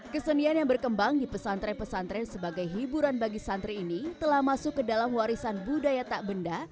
kesenian yang berkembang di pesantren pesantren sebagai hiburan bagi santri ini telah masuk ke dalam warisan budaya tak benda